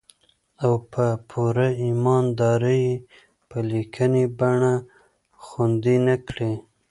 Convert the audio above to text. او په پوره ايمان دارۍ يې په ليکني بنه خوندي نه کړي.